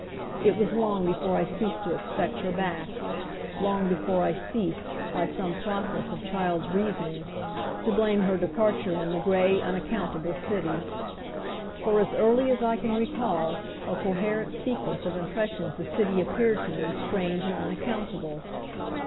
It was long before I ceased to expect her back; long before I ceased, by some process of child's reasoning, to blame her departure on the gray unaccountable city. For as early as I can recall a coherent sequence of impressions the city appeared to me strange and unaccountable.